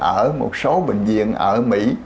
ở một số bệnh viện ở mỹ